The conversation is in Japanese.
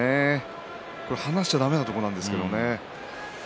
離しちゃだめなところなんですけれどもね。